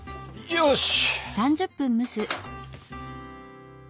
よし！